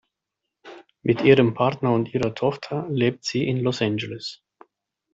Mit ihrem Partner und ihrer Tochter lebt sie in Los Angeles.